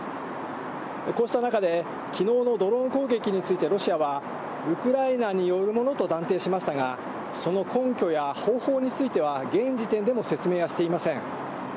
こうした中で、きのうのドローン攻撃についてロシアは、ウクライナによるものと断定しましたが、その根拠や方法については現時点でも説明はしていません。